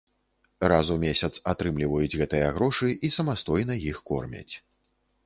Раз у месяц атрымліваюць гэтыя грошы і самастойна іх кормяць.